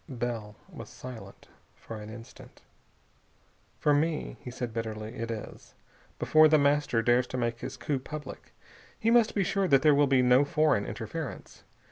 Bell was silent for an instant. "For me," he said bitterly, "it is. Before The Master dares to make his coup public, he must be sure that there will be no foreign interference.